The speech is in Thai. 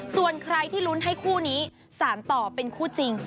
ส่วนใครที่ลุ้นให้คู่นี้สารต่อเป็นคู่จริง